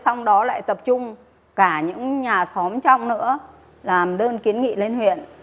xong đó lại tập trung cả những nhà xóm trong nữa làm đơn kiến nghị lên huyện